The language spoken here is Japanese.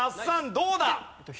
どうだ？